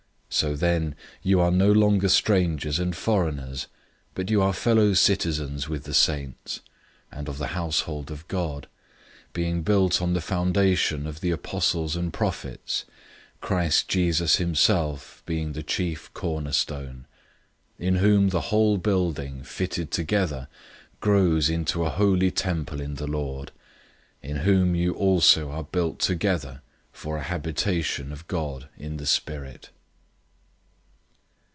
002:019 So then you are no longer strangers and foreigners, but you are fellow citizens with the saints, and of the household of God, 002:020 being built on the foundation of the apostles and prophets, Christ Jesus himself being the chief cornerstone; 002:021 in whom the whole building, fitted together, grows into a holy temple in the Lord; 002:022 in whom you also are built together for a habitation of God in the Spirit.